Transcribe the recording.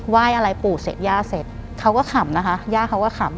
ยอะไรปู่เสร็จย่าเสร็จเขาก็ขำนะคะย่าเขาก็ขำ